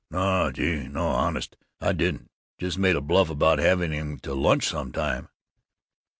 "No! Gee! No! Honest, I didn't! Just made a bluff about having him to lunch some time."